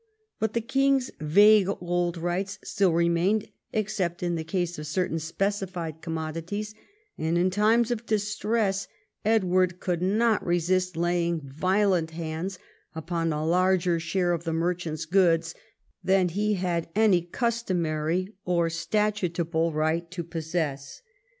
But the king's vague old rights still remained, except in the case of certain specified commodities, and in times of distress Edward could not resist laying violent hands upon a larger share of the merchants' goods than he had any customary or statutable right to possess.